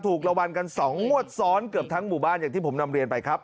ถูกรางวัลกัน๒งวดซ้อนเกือบทั้งหมู่บ้านอย่างที่ผมนำเรียนไปครับ